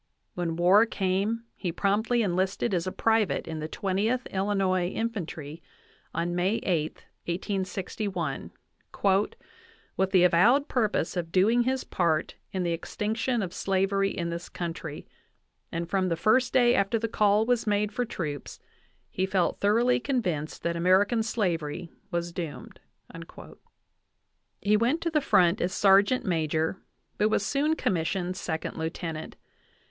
When war came he promptly enlisted as a private in the Twentieth Illinois Infan try on May 8, 1861, "with the avowed purpose of doing his part in the extinction of slavery in this country ; and from the first day after the call was made for troops he felt thoroughly convinced that American slavery was doomed." He went to the front as sergeant major, but was soon commissioned sec ond lieutenant.